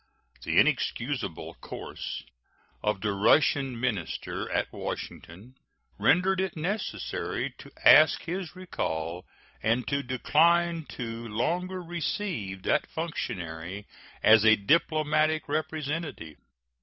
The inexcusable course of the Russian minister at Washington rendered it necessary to ask his recall and to decline to longer receive that functionary as a diplomatic representative.